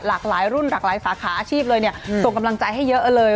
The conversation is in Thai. หลากหลายรุ่นหลากหลายสาขาอาชีพเลยเนี่ยส่งกำลังใจให้เยอะเลย